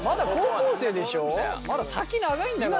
まだ先長いんだから。